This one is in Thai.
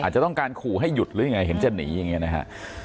จะต้องการขู่ให้หยุดหรือยังไงเห็นจะหนีอย่างนี้นะฮะ